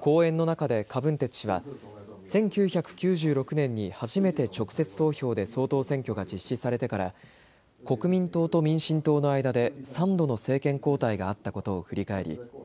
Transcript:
講演の中で柯文哲氏は１９９６年に初めて直接投票で総統選挙が実施されてから国民党と民進党の間で３度の政権交代があったことを振り返り